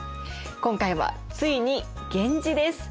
今回はついに源氏です。